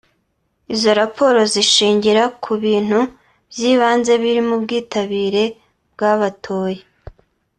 Izo raporo zishingira ku bintu byibanze birimo ubwitabire bw’abatoye